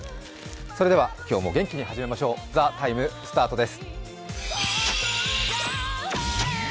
それでは今日も元気に始めましょう、「ＴＨＥＴＩＭＥ，」スタートです。